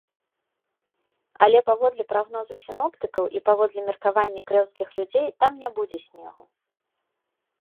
Але, паводле прагнозу сіноптыкаў і паводле меркавання крэўскіх людзей, там не будзе снегу.